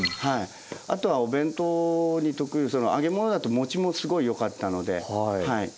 あとはお弁当に特有揚げ物だと保ちもすごいよかったので。